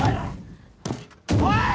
・おい！